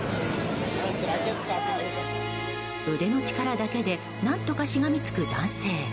腕の力だけで何とかしがみつく男性。